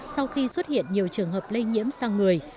sau khi xuất hiện nhiều trường hợp lây nhiễm sang người